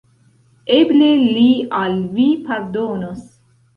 Eble li al vi pardonos.